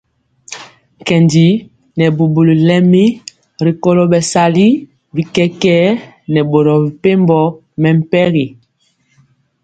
Nkendi nɛ bubuli lɛmi rikolo bɛsali bi kɛkɛɛ nɛ boro mepempɔ mɛmpegi.